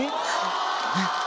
はい。